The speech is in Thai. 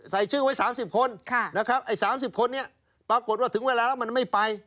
ใส่ชื่อไว้สามสิบคนค่ะนะครับไอ้สามสิบคนนี้ปรากฏว่าถึงเวลาแล้วมันไม่ไป